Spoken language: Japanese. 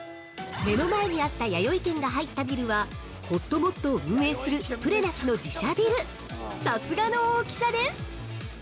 ◆目の前にあったやよい軒が入ったビルは、ほっともっとを運営するプレナスの自社ビル、さすがの大きさです！